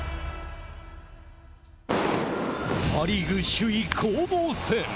パ・リーグ首位攻防戦。